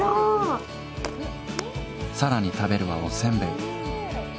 更に食べるはおせんべい。